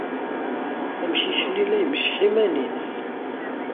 Amcic-nni la imecceḥ iman-nnes.